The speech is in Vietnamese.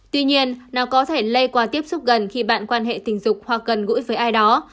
tuy nhiên nó có thể lây qua tiếp xúc gần khi bạn quan hệ tình dục hoặc gần gũi với ai đó